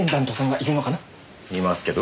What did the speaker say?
いますけど？